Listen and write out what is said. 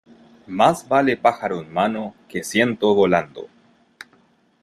Más vale pájaro en mano, que ciento volando.